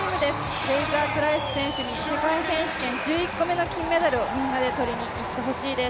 フレイザープライス選手に世界選手権１１個目のメダルをみんなで取りにいってほしいです。